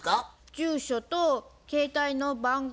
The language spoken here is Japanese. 住所と携帯の番号